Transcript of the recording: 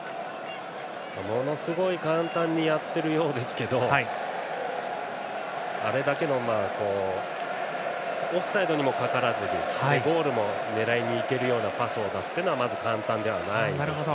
ものすごい簡単にやっているようですけどもあれだけのオフサイドにもかからずゴールも狙いにいけるパスを出すのはまず簡単ではないですね。